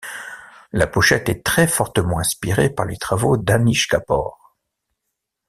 La pochette est très fortement inspirée par les travaux d'Anish Kapoor.